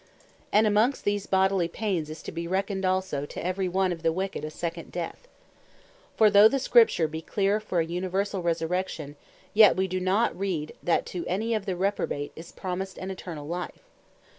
And amongst these bodily paines, is to be reckoned also to every one of the wicked a second Death. For though the Scripture bee clear for an universall Resurrection; yet wee do not read, that to any of the Reprobate is promised an Eternall life.